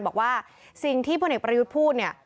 บอกว่าสิ่งที่พลเอกประยุทธ์พูดเนี่ย